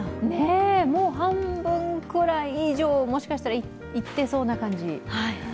もう半分以上、もしかしたらいってそうな感じ。